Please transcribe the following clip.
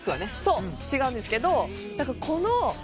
違うんですけどね。